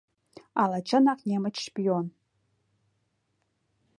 Ала чынак немыч шпион.